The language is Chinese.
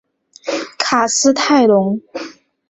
卡斯泰龙。